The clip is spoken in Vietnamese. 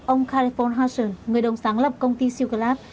ông california husson người đồng sáng lập công ty silk lab